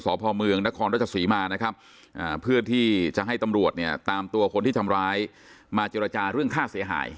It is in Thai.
ส่วนสพเมืองนรศมานะครับเพื่อนที่จะให้ตำรวจตามตัวคนที่ทำร้ายมาจิรจารณ์เรื่องฆ่าเสียหาย